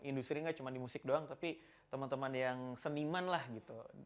industri gak cuma di musik doang tapi teman teman yang seniman lah gitu